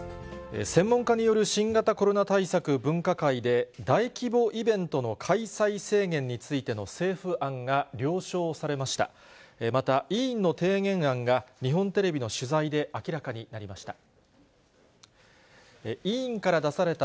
専門家による新型コロナ対策、分科会で、大規模イベントの開催制限についての政府案が了承されました。